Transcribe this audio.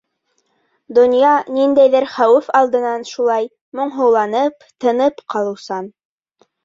Донъя ниндәйҙер хәүеф алдынан шулай моңһоуланып, тынып ҡалыусан...